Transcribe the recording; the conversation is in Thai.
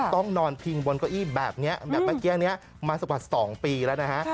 ต้องนอนพิงบนเก้าอี้แบบนี้แบบเมื่อกี้นี้มาสักกว่า๒ปีแล้วนะฮะ